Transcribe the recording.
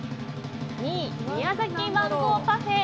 ２位、宮崎マンゴーパフェ。